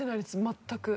全く。